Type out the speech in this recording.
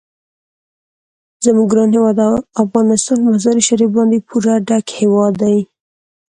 زموږ ګران هیواد افغانستان په مزارشریف باندې پوره ډک هیواد دی.